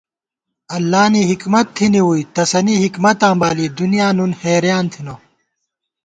اللہ نی حِکمت تھنی ووئی، تسَنی حِکمتاں بالی دُنیا نُن حېریان تھنہ